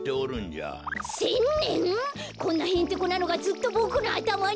こんなへんてこなのがずっとボクのあたまに？